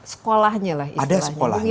sekolahnya lah ada sekolahnya